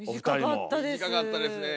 短かったですね。